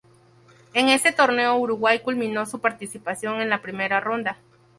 En este torneo Uruguay culmino su participación en primera ronda.